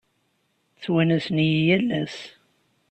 Ttwanasen-iyi yal ass.